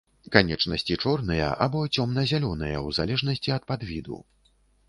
Канечнасці чорныя або цёмна-зялёныя, у залежнасці ад падвіду.